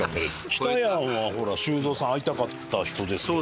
北やんはほら修造さん会いたかった人ですけど。